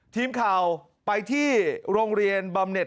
ทีมข่าวไปที่โรงเรียนบำเน็ต